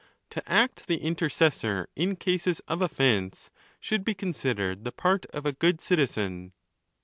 To act the in 'tercessor in cases of offence should be considered the part of a good citizen.